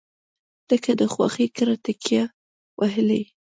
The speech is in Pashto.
لکه د خواښې کره تکیه وهلې.